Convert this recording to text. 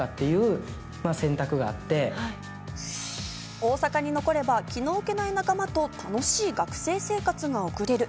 大阪に残れば、気の置けない仲間と楽しい学生生活が送れる。